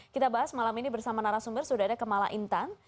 kita bahas malam ini bersama narasumber sudah ada kemala intan